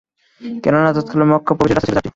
কেননা, তৎকালে মক্কা প্রবেশের রাস্তা ছিল চারটি।